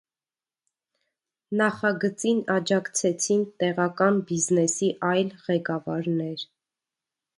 Նախագծին աջակցեցին տեղական բիզնեսի այլ ղեկավարներ։